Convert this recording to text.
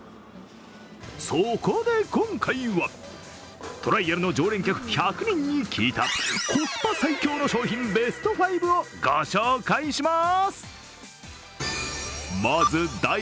そこで今回は、トライアルの常連客１００人に聞いた、コスパ最強の商品ベスト５をご紹介します。